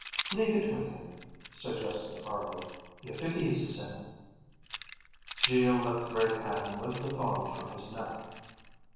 "Leave it with him," suggested Argo, "if it eases him." Geo let the great hand lift the thong from his neck.